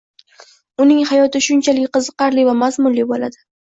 uning hayoti shunchalik qiziqarli va mazmunli bo‘ladi.